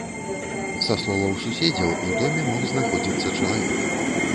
Са словаў суседзяў, у доме мог знаходзіцца чалавек.